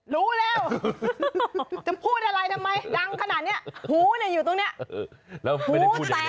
รู้แล้วจะพูดอะไรทำไมดังขนาดนี้หูอยู่ตรงนี้